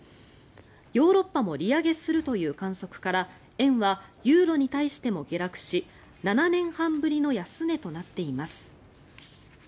ヨーロッパも利上げするという観測から円はユーロに対しても下落し７年半ぶりの安値となっています。